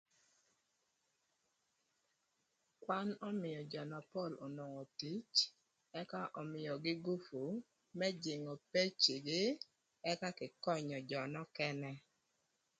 Kwan ömïö jö na pol onwongo tic ëka ömïögï gupu më jïngö pecigï ëka kï könyö jö nökënë.